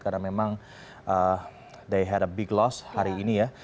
karena memang they had a big loss hari ini ya